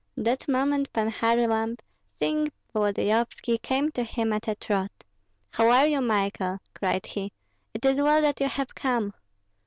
That moment Pan Kharlamp, seeing Volodyovski, came to him at a trot. "How are you, Michael?" cried he. "It is well that you have come."